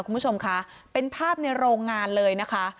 คุณผู้ชมคะเป็นภาพในโรงงานเลยนะคะ